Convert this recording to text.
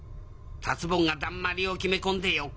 達ぼんがだんまりを決め込んで４日。